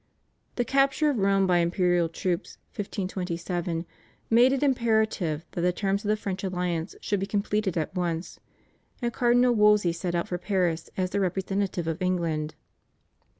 The capture of Rome by imperial troops (1527) made it imperative that the terms of the French alliance should be completed at once, and Cardinal Wolsey set out for Paris as the representative of England.